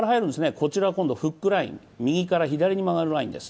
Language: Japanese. こちらは今度はフックライン、右から左に曲がるラインです。